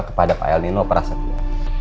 kepada kak elnino prasetya